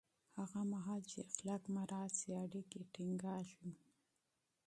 هغه مهال چې اخلاق مراعت شي، اړیکې ټینګېږي.